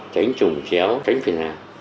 cánh trùng chéo cánh phiền hàng